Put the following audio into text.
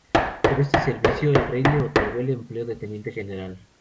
Por este servicio el Rey le otorgó el empleo de teniente general.